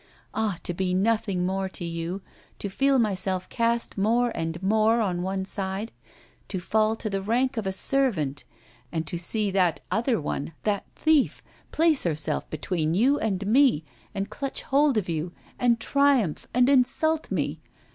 Ah! to be nothing more to you, to feel myself cast more and more on one side, to fall to the rank of a servant; and to see that other one, that thief, place herself between you and me and clutch hold of you and triumph and insult me!